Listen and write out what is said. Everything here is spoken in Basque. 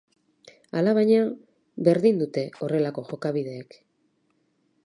Alabaina, berdin dute horrelako jokabideek.